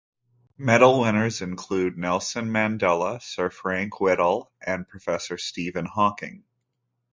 Medal winners include Nelson Mandela, Sir Frank Whittle, and Professor Stephen Hawking.